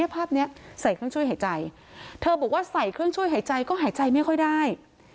ภาพนี้ใส่เครื่องช่วยหายใจเธอบอกว่าใส่เครื่องช่วยหายใจก็หายใจไม่ค่อยได้